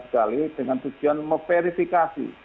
sekali dengan tujuan memverifikasi